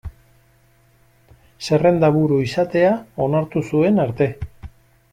Zerrendaburu izatea onartu zuen arte.